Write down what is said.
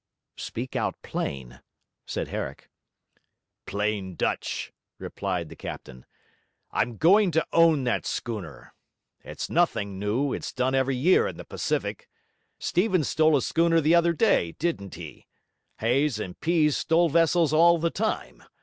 'Speak out plain,' said Herrick. 'Plain Dutch,' replied the captain. 'I'm going to own that schooner. It's nothing new; it's done every year in the Pacific. Stephens stole a schooner the other day, didn't he? Hayes and Pease stole vessels all the time.